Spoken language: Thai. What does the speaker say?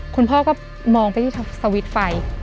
คุณพ่อก็มองไปที่สวิตช์ไฟ